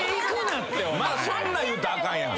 そんなん言うたらあかんやん。